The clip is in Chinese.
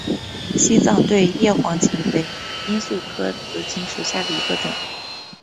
西藏对叶黄堇为罂粟科紫堇属下的一个种。